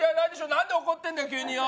なんで怒ってるんだよ、急によ。